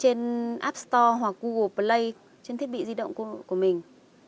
trên app store hoặc google play trên thiết bị di động của mình